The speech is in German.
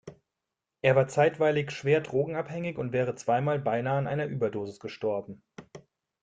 Er war zeitweilig schwer drogenabhängig und wäre zweimal beinahe an einer Überdosis gestorben.